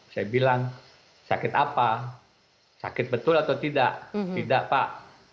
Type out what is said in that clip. saya bilang sakit apa sakit betul atau tidak tidak pak